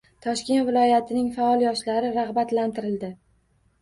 Toshkent viloyatining faol yoshlari rag‘batlantirildi